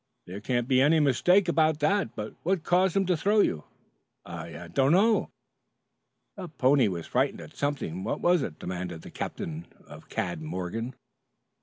There couldn't be any mistake about that, but what caused him to throw you?" "I I don't know." "That pony was frightened at something. What was it?" demanded the captain of Cad Morgan.